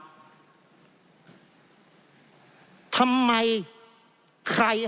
เพราะเรามี๕ชั่วโมงครับท่านนึง